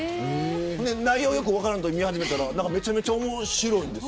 内容分からないまま見始めたらめちゃめちゃ面白いんです。